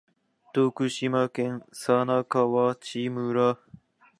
徳島県佐那河内村